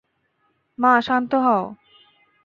মা, শান্ত হও!